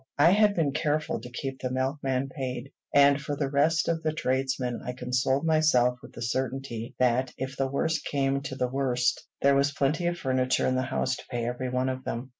I had been careful to keep the milkman paid; and for the rest of the tradesmen, I consoled myself with the certainty, that, if the worst came to the worst, there was plenty of furniture in the house to pay every one of them.